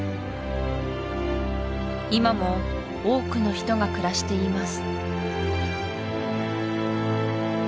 今も多くの人が暮らしています